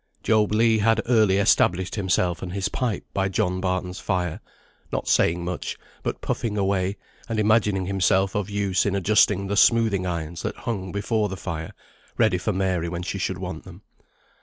Job Legh had early established himself and his pipe by John Barton's fire, not saying much, but puffing away, and imagining himself of use in adjusting the smoothing irons that hung before the fire, ready for Mary when she should want them.